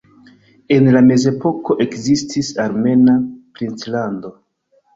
En la mezepoko ekzistis armena princlando.